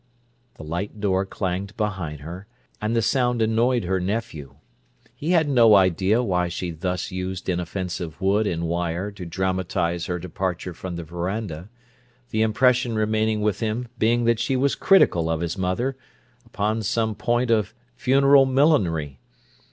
The light door clanged behind her, and the sound annoyed her nephew. He had no idea why she thus used inoffensive wood and wire to dramatize her departure from the veranda, the impression remaining with him being that she was critical of his mother upon some point of funeral millinery.